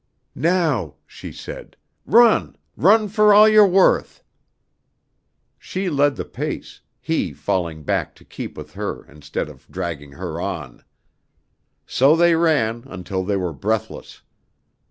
"Now," she said, "run run for all you're worth!" She led the pace, he falling back to keep with her instead of dragging her on. So they ran until they were breathless.